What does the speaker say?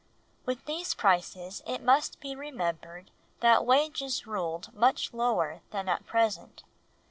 With these prices it must be remembered that wages ruled much lower than at present.